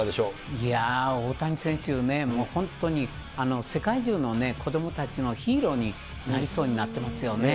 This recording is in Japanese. いやー、大谷選手ね、本当に世界中の子どもたちのヒーローになりそうになってますよね。